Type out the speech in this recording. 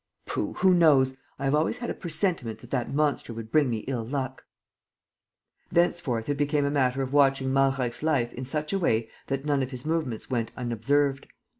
"Pooh, who knows? I have always had a presentiment that that monster would bring me ill luck." Thenceforth it became a matter of watching Malreich's life in such a way that none of his movements went unobserved.